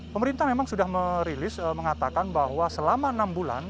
pemerintah memang sudah merilis mengatakan bahwa selama enam bulan